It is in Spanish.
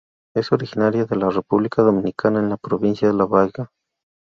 Es originaria de la República Dominicana en la Provincia La Vega.